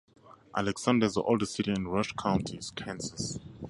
Alexander is the oldest city in Rush County, Kansas.